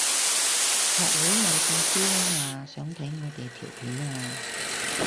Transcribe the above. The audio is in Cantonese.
學會有個師兄話想睇我哋條片啊